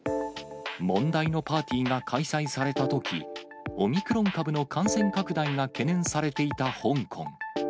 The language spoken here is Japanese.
問題のパーティーが開催されたとき、オミクロン株の感染拡大が懸念されていた香港。